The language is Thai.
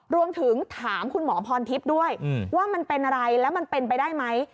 รวมถึงถามคุณหมอพรทิพย์ด้วยว่ามันเป็นอะไรแล้วมันเป็นไปได้ไหม